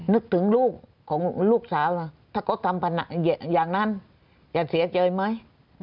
นึกถึงลูกของลูกสาวนะถ้าเขาทำพนักอย่างนั้นจะเสียใจไหม